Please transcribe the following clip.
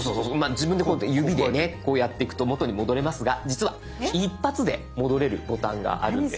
自分でこうやって指でねこうやっていくと元に戻れますが実は一発で戻れるボタンがあるんです。